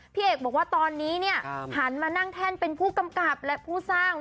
พี่เอกบอกว่าตอนนี้เนี่ยหันมานั่งแท่นเป็นผู้กำกับและผู้สร้าง